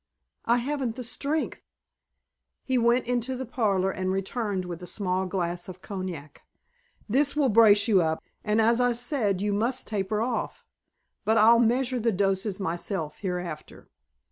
"I haven't the strength." He went into the parlor and returned with a small glass of cognac. "This will brace you up, and, as I said, you must taper off. But I'll measure the doses myself, hereafter."